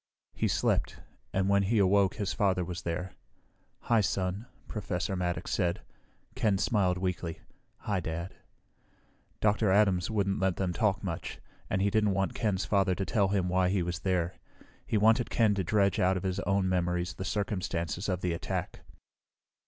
He slept, and when he awoke his father was there. "Hi, Son," Professor Maddox said. Ken smiled weakly. "Hi, Dad." Dr. Adams wouldn't let them talk much, and he didn't want Ken's father to tell him why he was there. He wanted Ken to dredge out of his own memories the circumstances of the attack.